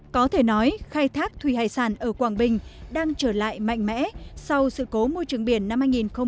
có thể nói khai thác thủy hải sản ở quảng bình đang trở lại mạnh mẽ sau sự cố môi trường biển năm hai nghìn một mươi tám